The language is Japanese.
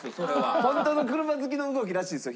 本当の車好きの動きらしいですよ